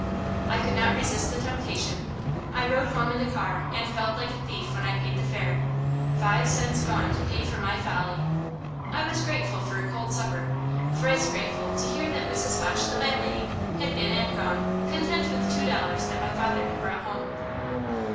I could not resist the temptation. I rode home in the car, and felt like a thief when I paid the fare. Five cents gone to pay for my folly! I was grateful for a cold supper; thrice grateful to hear that Mrs. Hutch, the landlady, had been and gone, content with two dollars that my father had brought home.